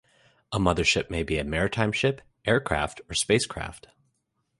A mother ship may be a maritime ship, aircraft, or spacecraft.